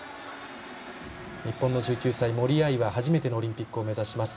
日本の１９歳、森秋彩は初めてのオリンピックを目指します。